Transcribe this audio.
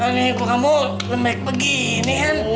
nih kok kamu lembek begini kan